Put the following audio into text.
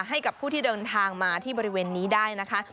ให้กับผู้ที่เดินทางมาที่บริเวณนี้ได้นะคะ